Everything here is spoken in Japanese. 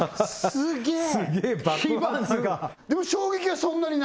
すげえ！